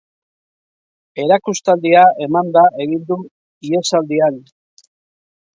Erakustaldia emanda egin du, ihesaldian.